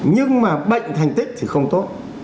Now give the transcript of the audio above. nhưng mà bệnh thành tích thì không tốt